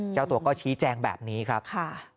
เจ้าตัวก็ชี้แจงแบบนี้ครับค่ะ